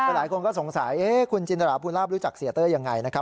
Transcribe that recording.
หลายคนก็สงสัยคุณจินตราภูลาภรู้จักเสียเต้ยยังไงนะครับ